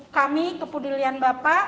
kami kepedulian bapak